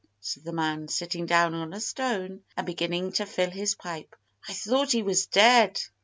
said the man, sitting down on a stone and beginning to fill his pipe. "I thought he was dead!"